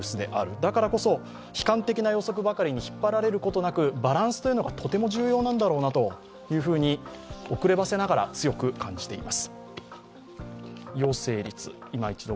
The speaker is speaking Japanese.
だからこそ悲観的な予測ばかりに引っ張られることなくバランスがとても重要なんなだろうなと、遅ればせながら強く感じています